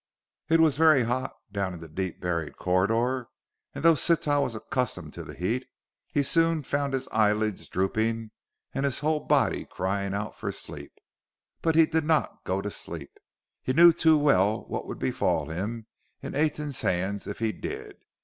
It was very hot, down in the deep buried corridor, and though Sitah was accustomed to the heat, he soon found his eyelids drooping and his whole body crying out for sleep. But he did not go to sleep. He knew too well what would befall him in Aten's hands if he did.